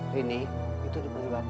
rini itu dibeli bapak